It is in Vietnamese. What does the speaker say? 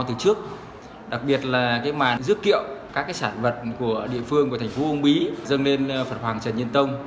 từ trước đặc biệt là cái màn dức kiệu các cái sản vật của địa phương của thành phố uông bí dâng lên phật hoàng trần nhân tông